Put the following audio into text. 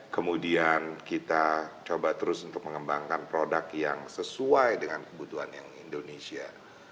kemudian kita coba terus untuk mengembangkan produk yang sesuai dengan kebutuhan yang indonesia